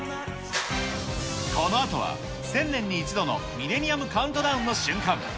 このあとは、１０００年に１度のミレニアムカウントダウンの瞬間。